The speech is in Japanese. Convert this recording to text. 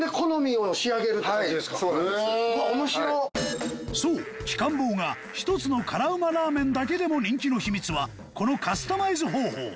そう鬼金棒が１つの辛ウマラーメンだけでも人気の秘密はこのカスタマイズ方法